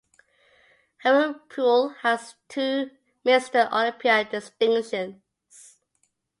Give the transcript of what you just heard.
Harold Poole holds two Mr. Olympia distinctions.